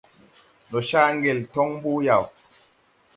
Ndɔ caa ŋgel tɔŋ mbuh yaw ?